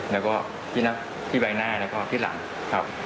แล้วก็ที่ใบหน้าแล้วก็ที่หลังครับ